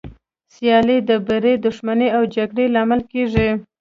سیالي د بريد، دښمني او جګړو لامل کېږي.